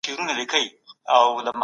تاسي په خپلو خبرو کي عاجزي لرئ.